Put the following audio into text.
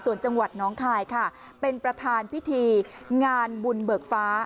ส่วนจังหวัดน้องคายค่ะเป็นประธานพิธีงานบุญเบิกฟ้า